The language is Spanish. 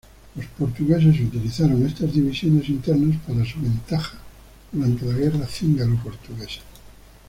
Los portugueses utilizaron estas divisiones internas para su ventaja durante la guerra cingalo-portuguesa.